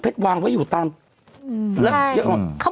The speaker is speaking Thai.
เป็นตั้งเลยคุณแม่แบบเป็นตั้งเลย